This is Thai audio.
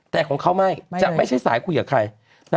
แต่ของเขาไม่จะไม่ใช่สายคุยกับใคร